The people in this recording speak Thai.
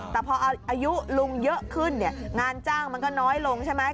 แต่พออายุลุงเยอะขึ้นเนี่ยงานจ้างมันก็น้อยลงใช่ไหม